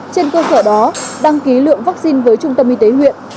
trên cơ sở đó đăng ký lượng vaccine với trung tâm y tế huyện